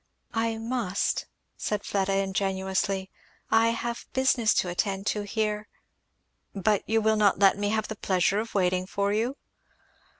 "I must," said Fleda ingenuously, "I have business to attend to here " "But you will let me have the pleasure of waiting for you?"